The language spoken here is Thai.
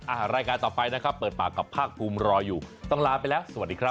รายการต่อไปนะครับเปิดปากกับภาคภูมิรออยู่ต้องลาไปแล้วสวัสดีครับ